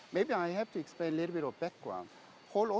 mungkin saya harus menjelaskan sedikit tentang latar belakangnya